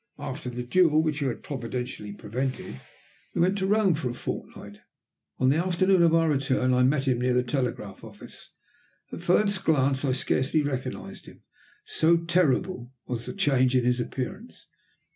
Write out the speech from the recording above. After the duel, which you providentially prevented, we went to Rome for a fortnight. On the afternoon of our return I met him near the telegraph office. At first glance I scarcely recognized him, so terrible was the change in his appearance.